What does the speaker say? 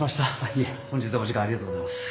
いえ本日はお時間ありがとうございます。